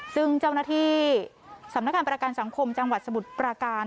ซึ่งเจ้าหน้าที่สำนักงานประกันสังคมจังหวัดสมุทรปราการ